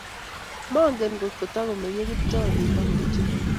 Mongen ngotitagomenye Kiptoo olin po Kericho.